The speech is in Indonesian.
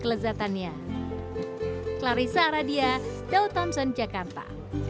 lezatannya clarissa radia daud thompson jakarta